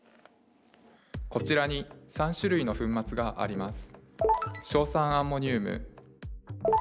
こちらに３種類の粉末があります。